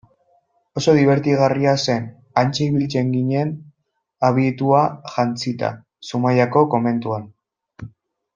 Oso dibertigarria zen, hantxe ibiltzen ginen abitua jantzita Zumaiako komentuan.